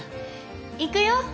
行くよ。